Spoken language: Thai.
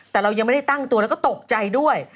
แต่เรายังไม่ได้ตั้งตัวแล้วก็ตกใจด้วย